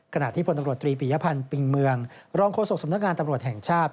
ขณะที่พลตำรวจตรีปียพันธ์ปิงเมืองรองโฆษกสำนักงานตำรวจแห่งชาติ